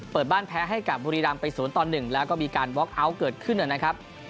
เปิดบ้านแพ้ให้กับบุรีรัมป์ไปสวนตอนหนึ่งแล้วก็มีการเกิดขึ้นนะครับ